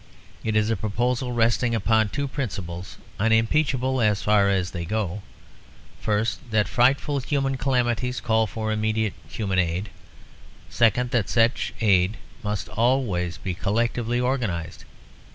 It is a proposal resting upon two principles, unimpeachable as far as they go: first, that frightful human calamities call for immediate human aid; second, that such aid must almost always be collectively organised.